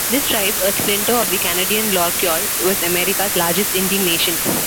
This tribe, a splinter of the Canadian Iorquois, was America's largest Indian nation.